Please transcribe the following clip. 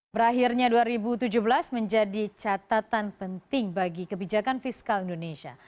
berakhirnya dua ribu tujuh belas menjadi catatan penting bagi kebijakan fiskal indonesia